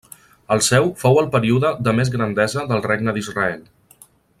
El seu fou el període de més grandesa del Regne d'Israel.